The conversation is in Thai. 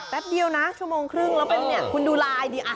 แป๊บเดียวนะชั่วโมงครึ่งแล้วเป็นเนี่ยคุณดูลายดิ